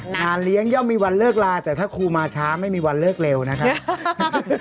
งานเลี้ยงย่อมมีวันเลิกลาแต่ถ้าครูมาช้าไม่มีวันเลิกเร็วนะครับ